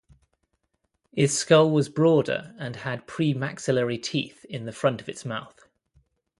Its skull was broader and had premaxillary teeth in the front of its mouth.